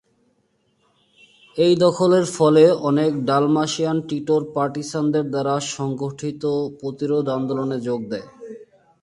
এই দখলের ফলে অনেক ডালমাশিয়ান টিটোর পার্টিসানদের দ্বারা সংগঠিত প্রতিরোধ আন্দোলনে যোগ দেয়।